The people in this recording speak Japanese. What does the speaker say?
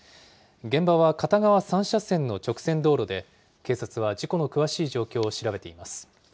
現場は片側３車線の直線道路で、警察は事故の詳しい状況を調べています。